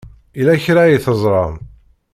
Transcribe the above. Yella kra ay teẓram.